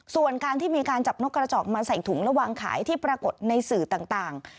ส่วนการที่มีการจับนกกระจอกมาใส่ถุงและวางขายที่ปรากฏในสื่อต่าง